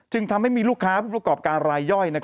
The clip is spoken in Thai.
ทำให้มีลูกค้าผู้ประกอบการรายย่อย